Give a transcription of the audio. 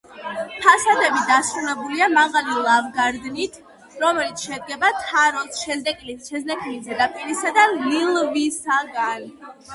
ფასადები დასრულებულია მაღალი ლავგარდნით, რომელიც შედგება თაროს, შეზნექილი ზედაპირისა და ლილვისაგან.